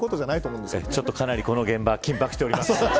かなりこの現場緊迫しております。